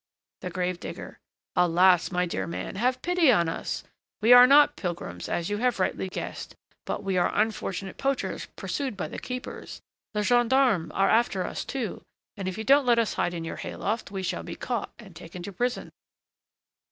THE GRAVE DIGGER. Alas! my dear man, have pity on us! We are not pilgrims, as you have rightly guessed; but we are unfortunate poachers pursued by the keepers. The gendarmes are after us, too, and, if you don't let us hide in your hay loft, we shall be caught and taken to prison.